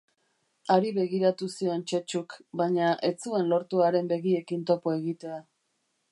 Hari begiratu zion Txetxuk, baina ez zuen lortu haren begiekin topo egitea.